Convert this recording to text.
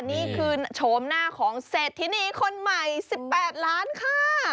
นี่คือโฉมหน้าของเศรษฐินีคนใหม่๑๘ล้านค่ะ